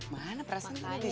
mana perasaan kamu disini